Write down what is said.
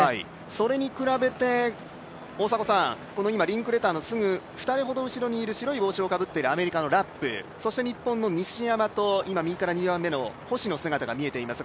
それに比べて今、リンクレターのすぐ２人ほど後ろにいる白い帽子をかぶっているアメリカのラップそして、日本の西山と右から２番目の星の姿が見えます